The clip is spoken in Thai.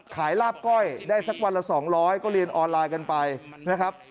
ลาบก้อยได้สักวันละ๒๐๐ก็เรียนออนไลน์กันไปนะครับ